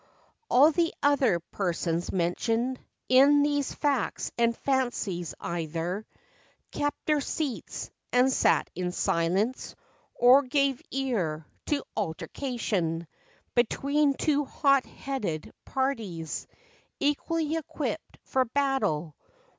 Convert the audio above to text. All the other persons mentioned In these " Facts and Fancies" either 22 FACTS AND FANCIES. Kept their seats, and sat in'silence, Or gave ear to altercation Between two hot headed parties Equally equipped for battle.